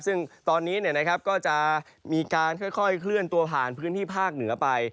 ซึ่งตอนนี้ก็จะมีการค่อยเคลื่อนตัวผ่านพื้นที่ภาคเหนือไป